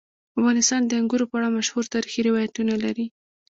افغانستان د انګورو په اړه مشهور تاریخي روایتونه لري.